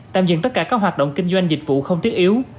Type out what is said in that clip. tạm dừng tất cả các hoạt động kinh doanh dịch vụ không thiết yếu